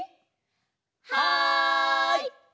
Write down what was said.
はい！